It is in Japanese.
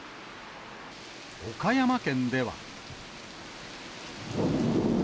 岡山県では。